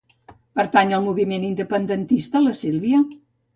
Pertany al moviment independentista la Silvia?